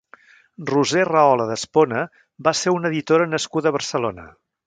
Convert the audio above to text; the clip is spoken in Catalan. Roser Rahola d'Espona va ser una editora nascuda a Barcelona.